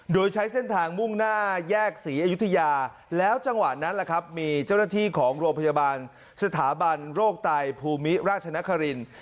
โดยใช้เส้นทางมุ่งหน้าแยกศรีอยุธยาแล้วจังหวะนั้นแหละครับมีเจ้าหน้าที่ของโรงพยาบาลสถาบันโรคไตภูมิราชนคริน